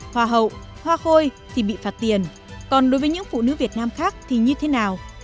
hoa hậu hoa khôi thì bị phạt tiền còn đối với những phụ nữ việt nam khác thì như thế nào